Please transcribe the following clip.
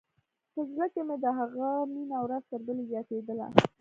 په زړه کښې مې د هغه مينه ورځ تر بلې زياتېدله.